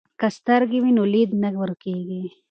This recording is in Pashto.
که سترګې وي نو لید نه ورکیږي.